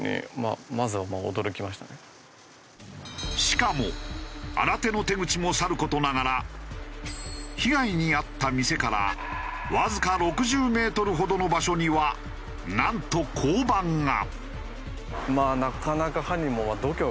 しかも新手の手口もさる事ながら被害に遭った店からわずか６０メートルほどの場所にはなんと交番が。